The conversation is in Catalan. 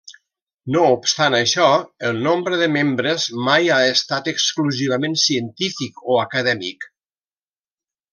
No obstant això, el nombre de membres mai ha estat exclusivament científic o acadèmic.